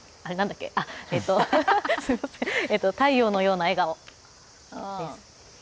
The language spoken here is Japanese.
太陽のような笑顔です。